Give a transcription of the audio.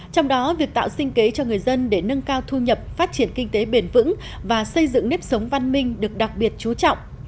trong đó việc tạo sinh kế cho người dân để nâng cao thu nhập phát triển kinh tế bền vững và xây dựng nếp sống văn minh được đặc biệt chú trọng